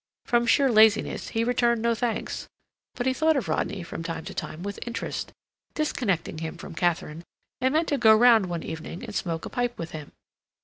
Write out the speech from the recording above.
From sheer laziness he returned no thanks, but he thought of Rodney from time to time with interest, disconnecting him from Katharine, and meant to go round one evening and smoke a pipe with him.